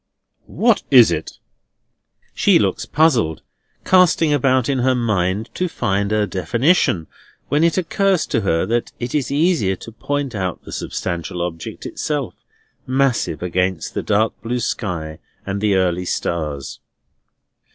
"What is it?" She looks puzzled, casting about in her mind to find a definition, when it occurs to her that it is easier to point out the substantial object itself, massive against the dark blue sky and the early stars.